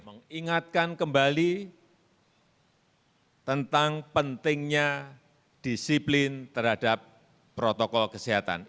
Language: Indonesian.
mengingatkan kembali tentang pentingnya disiplin terhadap protokol kesehatan